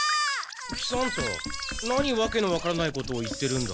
喜三太何わけのわからないことを言ってるんだ？